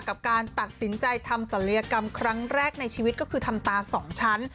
กับการตัดสินใจทำศัลยกรรมครั้งแรกในชีวิตก็คือทำตาสองชั้น